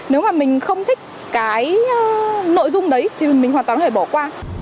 nếu mà mình không thích cái nội dung đấy thì mình hoàn toàn phải bỏ qua